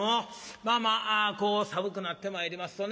まあまあこう寒くなってまいりますとね